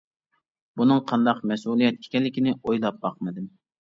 بۇنىڭ قانداق «مەسئۇلىيەت» ئىكەنلىكىنى ئويلاپ باقمىدىم.